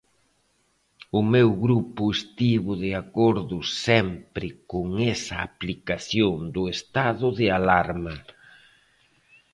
O meu grupo estivo de acordo sempre con esa aplicación do estado de alarma.